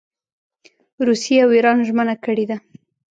روسیې او اېران ژمنه کړې ده.